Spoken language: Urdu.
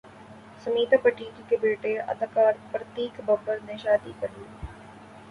سمیتا پاٹیل کے بیٹے اداکار پرتیک ببر نے شادی کرلی